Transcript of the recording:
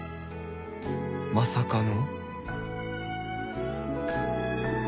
まさかの